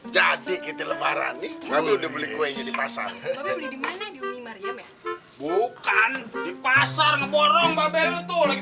jadi kita lembara nih udah beli kuenya di pasar bukan di pasar ngeborong mbak bel tuh lagi